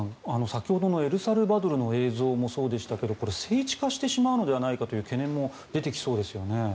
先ほどのエルサルバドルの映像もそうですが聖地化してしまうのではないかという懸念も出てきそうですよね。